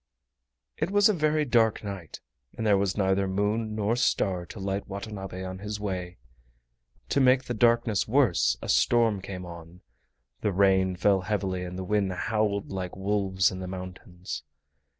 It was a very dark night, and there was neither moon nor star to light Watanabe on his way. To make the darkness worse a storm came on, the rain fell heavily and the wind howled like wolves in the mountains.